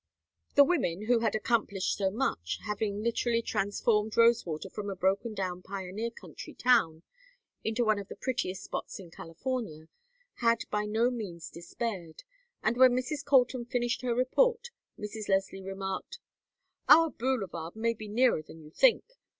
The women who had accomplished so much, having literally transformed Rosewater from a broken down pioneer country town into one of the prettiest spots in California had by no means despaired; and when Mrs. Colton finished her report, Mrs. Leslie remarked: "Our boulevard may be nearer than you think.